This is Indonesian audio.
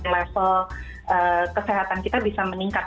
level kesehatan kita bisa meningkat